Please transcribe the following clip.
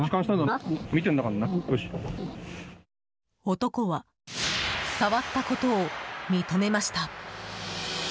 男は触ったことを認めました。